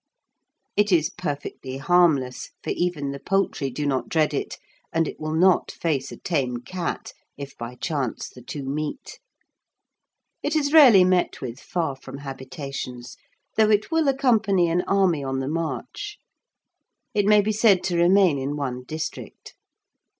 It is perfectly harmless, for even the poultry do not dread it, and it will not face a tame cat, if by chance the two meet. It is rarely met with far from habitations, though it will accompany an army on the march. It may be said to remain in one district.